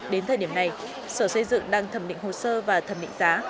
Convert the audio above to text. đến thời điểm này sở xây dựng đang thẩm định hồ sơ và thẩm định giá